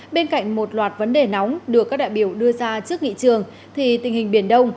bên cạnh một loạt vấn đề nóng được các đại biểu đưa ra trước nghị trường thì tình hình biển đông